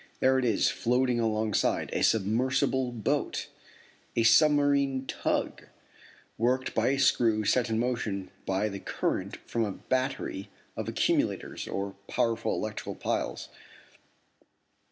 There it is, floating alongside a submersible boat, a submarine tug, worked by a screw set in motion by the current from a battery of accumulators or powerful electric piles.